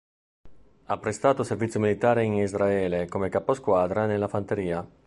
Ha prestato servizio militare in Israele come caposquadra nella fanteria.